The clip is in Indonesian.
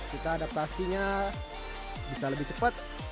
kita adaptasinya bisa lebih cepat